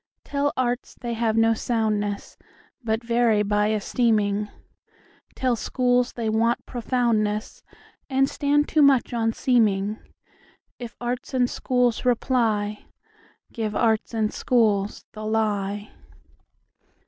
Tell arts they have no soundness, But vary by esteeming; Tell schools they want profoundness, And stand too much on seeming:If arts and schools reply, Give arts and schools the lie.